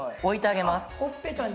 ほっぺたに。